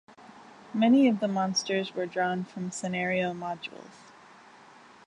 Many of the monsters were drawn from scenario modules.